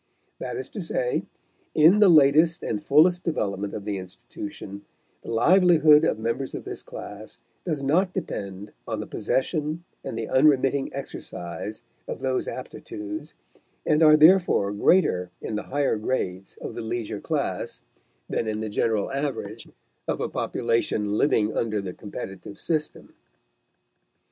That is to say, in the latest and fullest development of the institution, the livelihood of members of this class does not depend on the possession and the unremitting exercise of those aptitudes are therefore greater in the higher grades of the leisure class than in the general average of a population living under the competitive system.